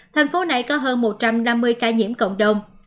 thành phố này có hơn một trăm năm mươi ca nhiễm cộng đồng